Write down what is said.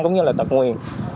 cũng như là tật nguyền